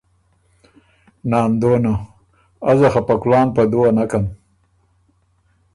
ناندونه: ازه خه په کلان په دُوه نکم،